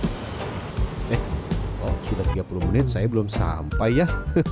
eh sudah tiga puluh menit saya belum sampai ya